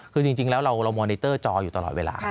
คือจริงแล้วเรามอนิเตอร์จออยู่ตลอดเวลา